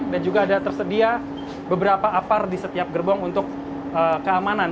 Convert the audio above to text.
dan juga ada tersedia beberapa apar di setiap gerbong untuk keamanan